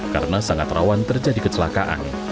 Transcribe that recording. karena sangat rawan terjadi kecelakaan